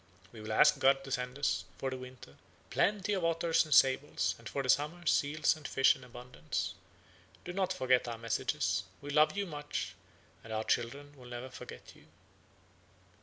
You will ask God to send us, for the winter, plenty of otters and sables, and for the summer, seals and fish in abundance. Do not forget our messages, we love you much, and our children will never forget you."